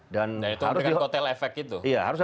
dan itu harus di hotel efek gitu